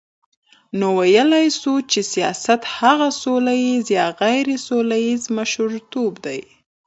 نو ویلای سو چی سیاست هغه سوله ییز یا غیري سوله ییز مشرتوب دی،